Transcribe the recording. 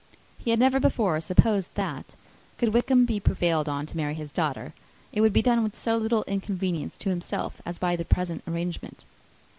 He had never before supposed that, could Wickham be prevailed on to marry his daughter, it would be done with so little inconvenience to himself as by the present arrangement.